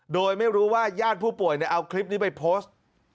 โดยไม่รู้ว่าญาติผู้ป่วยเอาคลิปนี้ไปโพสต์